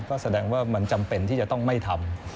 ก็แสดงว่ามันจำเป็นที่จะต้องไม่ทำ